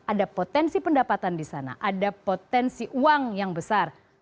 ada potensi pendapatan di sana ada potensi uang yang besar